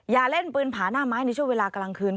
อย่าเล่นปืนผาหน้าไม้ในช่วงเวลากลางคืน